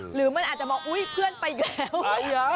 หรือมันอาจจะมองอุ๊ยเพื่อนไปอีกแล้ว